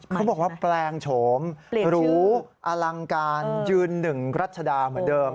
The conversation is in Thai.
เขาบอกว่าแปลงโฉมหรูอลังการยืนหนึ่งรัชดาเหมือนเดิม